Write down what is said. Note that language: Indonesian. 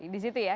di situ ya